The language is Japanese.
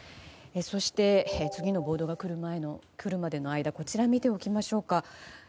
そして次のボードが来るまでの間こちらを見ていきましょう。